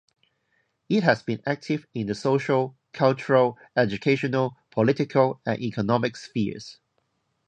It has been active in the social, cultural, educational, political, and economic spheres.